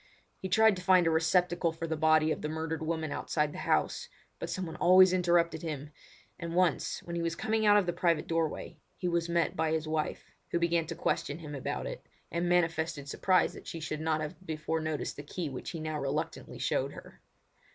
He tried to find a receptacle for the body of the murdered woman outside the house, but someone always interrupted him; and once, when he was coming out of the private doorway, he was met by his wife, who began to question him about it, and manifested surprise that she should not have before noticed the key which he now reluctantly showed her.